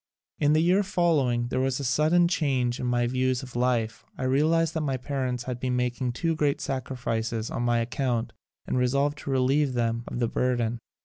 In the year follow ing there was a sudden change in my views of life. I realized that my parents had been making too great sacrifices on my ac count and resolved to relieve them of the burden.